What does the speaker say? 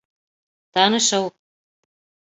Танышыу